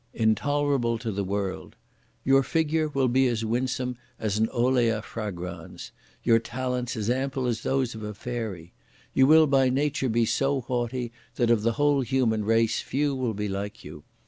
Intolerable to the world. Your figure will be as winsome as an olea fragrans; your talents as ample as those of a Fairy! You will by nature be so haughty that of the whole human race few will be like you!